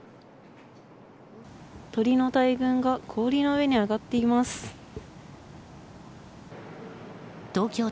鳥の大群が氷の上に上がっています。